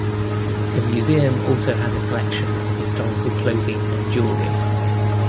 The museum also has a collection of historical clothing and jewellery.